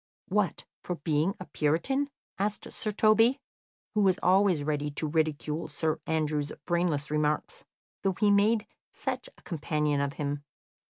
"What, for being a puritan?" asked Sir Toby, who was always ready to ridicule Sir Andrew's brainless remarks, though he made such a companion of him.